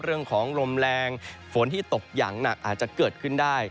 เรื่องของลมแรงฝนที่ตกอย่างหนักอาจจะเกิดขึ้นได้